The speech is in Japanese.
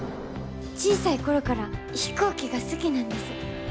小さい頃から飛行機が好きなんです。